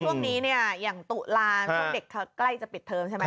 พอจอบนี้เนี้ยอย่างตุราค่ะเพราะเด็กทำใกล้จะปิดเทิมใช่ไหม